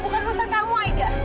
bukan susah kamu ida